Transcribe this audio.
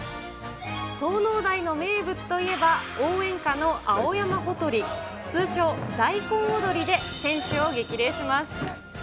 東農大の名物といえば、応援歌の青山ほとり、通称、大根おどりで選手を激励します。